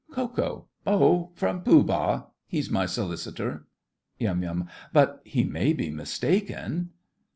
KO. Oh, from Pooh Bah. He's my Solicitor. YUM. But he may be mistaken!